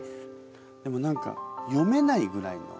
でも何か読めないぐらいの。